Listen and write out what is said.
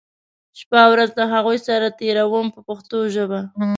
شپه او ورځ له هغو سره تېروم په پښتو ژبه.